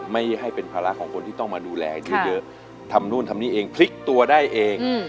ไม่ให้เป็นภาระของคนที่ต้องมาดูแลเยอะทำนู่นทำนี่เองพลิกตัวได้เอง